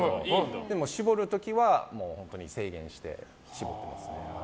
でも絞る時は制限して絞ってますね。